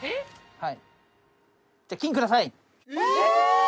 はい。